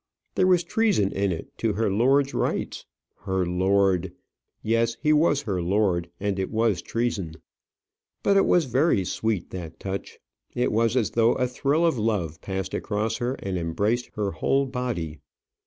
There was treason in it to her lord's rights. Her lord! Yes, he was her lord, and it was treason. But it was very sweet that touch; it was as though a thrill of love passed across her and embraced her whole body.